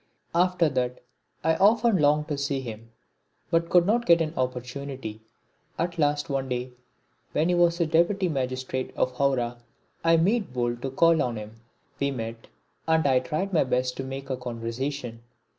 After that I often longed to see him, but could not get an opportunity. At last one day, when he was Deputy Magistrate of Hawrah, I made bold to call on him. We met, and I tried my best to make conversation.